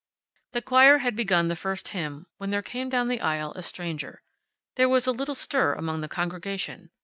The choir had begun the first hymn when there came down the aisle a stranger. There was a little stir among the congregation.